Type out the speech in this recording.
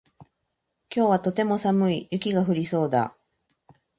今日はとても寒い。雪が降りそうだ。